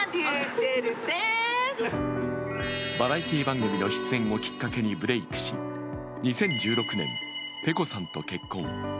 バラエティー番組の出演をきっかけにブレイクし、２０１６年、ｐｅｃｏさんと結婚。